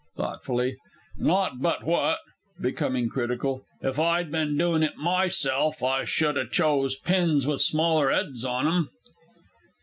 (Thoughtfully.) Not but what (becoming critical) if I'd been doin' it myself, I should ha' chose pins with smaller 'eds on 'em.